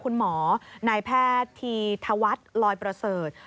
คุณหมอนายแพทย์ธีธวัฒน์ลอยประเสริฐ